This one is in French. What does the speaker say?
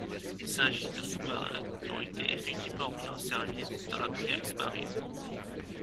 Il s'agit de sous-marins qui ont été effectivement mis en service dans la Kriegsmarine.